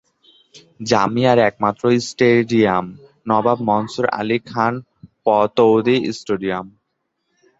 জামিয়ার একমাত্র stadium Nawab Mansur Ali Khan Pataudi stadium.